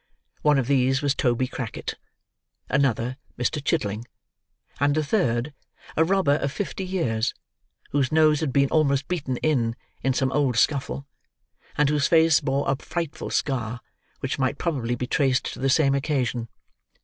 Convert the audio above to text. One of these was Toby Crackit, another Mr. Chitling, and the third a robber of fifty years, whose nose had been almost beaten in, in some old scuffle, and whose face bore a frightful scar which might probably be traced to the same occasion.